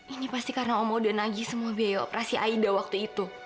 ini pasti karena omo udah nagih semua biaya operasi aida waktu itu